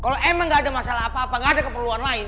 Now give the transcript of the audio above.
kalau emang nggak ada masalah apa apa nggak ada keperluan lain